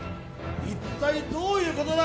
一体どういうことだ？